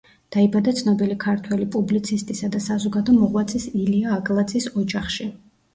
დაიბადა ცნობილი ქართველი პუბლიცისტისა და საზოგადო მოღვაწის ილია აგლაძის ოჯახში.